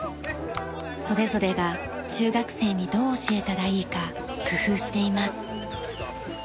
それぞれが中学生にどう教えたらいいか工夫しています。